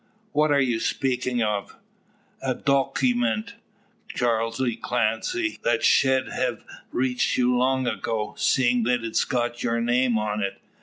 What are you speaking of?" "A dookyment, Charley Clancy, that shed hev reached you long ago, seein' that it's got your name on it.